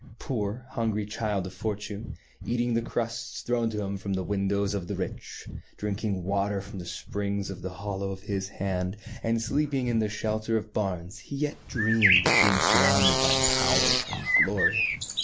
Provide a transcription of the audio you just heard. Poor, hungry child of Fortune, eat ing the crusts thrown to him from the windows of the rich, drinking water from the springs in the hollow of his hand, and sleeping in the shelter of barns, he yet dreamed of being sur rounded by power and glory.